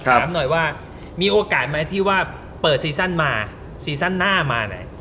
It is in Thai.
ถามหน่อยว่ามีโอกาสไหมที่ว่าเปิดซีซั่นมาซีซั่นหน้ามาไหน